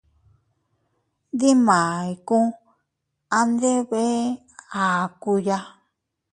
Dimay kuu a ndebe akuya.